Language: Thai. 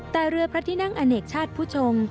แต่เรือพระที่นั่งอเนกชาติผู้ชง